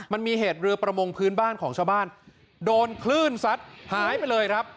มันมีเหตุเรือประมงพื้นบ้านของชาวบ้านโดนคลื่นซัดหายไปเลยครับ